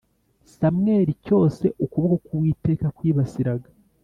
Samweli cyose ukuboko k Uwiteka kwibasiraga